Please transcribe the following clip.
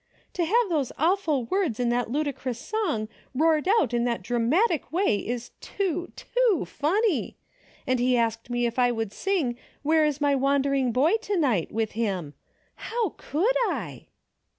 "To have those awful words in that ludicrous song roared out in that dramatic way is too, too funny. And he asked me if I would sing ' Where is my wandering boy to night ?' with him. How coidd I